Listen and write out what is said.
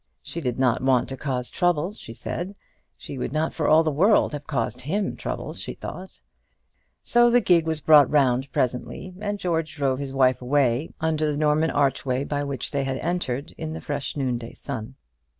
She did not want to cause trouble, she said: she would not for all the world have caused him trouble, she thought: so the gig was brought round presently, and George drove his wife away, under the Norman archway by which they had entered in the fresh noonday sun.